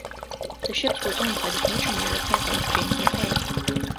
The ships were owned by the future mayor of Tampa, James McKay.